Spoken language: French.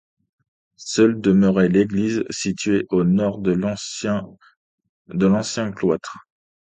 Seule demeurait l’église située au nord de l’ancien cloître.